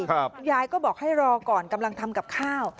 ยายก็บอกให้รอก่อนกำลังทำกับข้าว